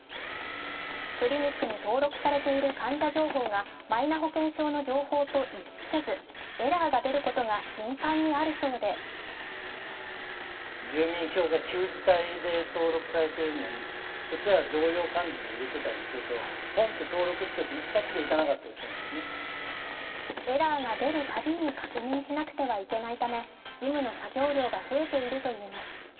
クリニックに登録されている患者情報がマイナ保険証の情報と一致せずエラーが出ることが頻繁にあるそうでエラーが出る度に確認しなくてはいけないため、ジムの作業量が増えているといいます。